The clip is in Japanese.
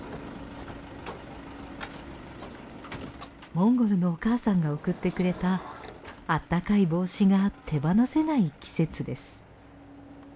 モンゴルのお母さんが送ってくれたあったかい帽子が手放せない季節です。